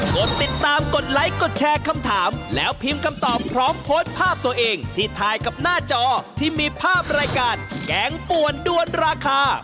กดติดตามกดไลค์กดแชร์คำถามแล้วพิมพ์คำตอบพร้อมโพสต์ภาพตัวเองที่ถ่ายกับหน้าจอที่มีภาพรายการแกงป่วนด้วนราคา